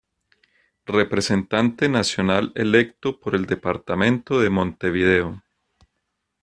Representante Nacional Electo por el Departamento de Montevideo.